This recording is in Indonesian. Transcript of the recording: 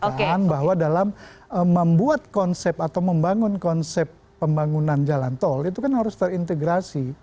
jadi saya pikir bahwa dalam membuat konsep atau membangun konsep pembangunan jalan tol itu kan harus terintegrasi